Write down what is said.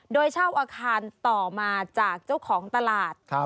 โดยเช่าอาคารต่อมาจากเจ้าของตลาด